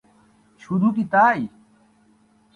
শুধু কী তাই?